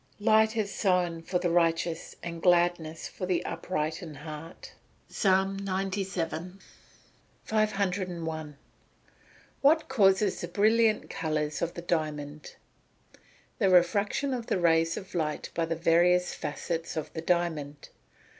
[Verse: "Light is sown for the righteous, and gladness for the upright in heart." PSALM XCVII.] 501. What causes the brilliant colours of the diamond? The refraction of the rays of light by the various facets of the diamond.